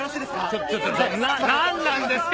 ちょちょちょ何なんですか